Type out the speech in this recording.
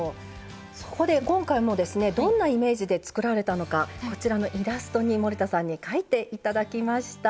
そこで今回もですねどんなイメージで作られたのかこちらのイラストに森田さんに描いて頂きました。